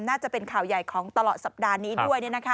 น่าจะเป็นข่าวใหญ่ของตลอดสัปดาห์นี้ด้วย